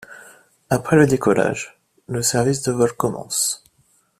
Après le décollage, le service de vol commence.